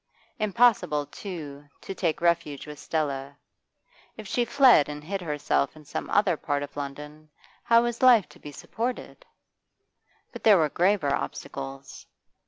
Impossible, too, to take refuge with Stella. If she fled and hid herself in some other part of London, how was life to be supported? But there were graver obstacles.